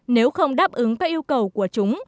nếu không đáp ứng các yêu cầu của chúng